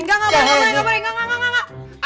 enggak gak boleh gak boleh